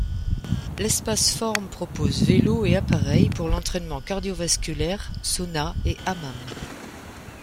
L’espace forme propose vélos et appareils pour l’entraînement cardio-vasculaire, sauna et hammam.